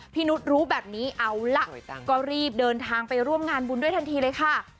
นุษย์รู้แบบนี้เอาล่ะก็รีบเดินทางไปร่วมงานบุญด้วยทันทีเลยค่ะ